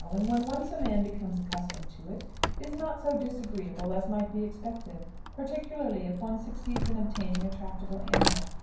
"Ox traveling, when once a man becomes accustomed to it, is not so disagreeable as might be expected, particularly if one succeeds in obtaining a tractable animal.